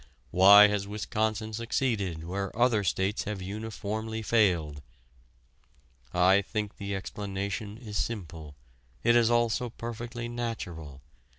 Why has Wisconsin succeeded where other states have uniformly failed? I think the explanation is simple. It is also perfectly natural.